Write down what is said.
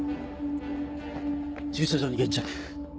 駐車場に現着。